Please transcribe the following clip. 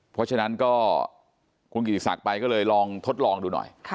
เพราะฉะนั้นก็คุณกิติศักดิ์ไปก็เลยลองทดลองดูหน่อย